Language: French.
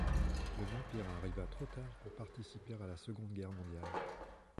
Le Vampire arriva trop tard pour participer à la Seconde Guerre mondiale.